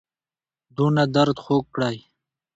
دونو درد خوږ کړی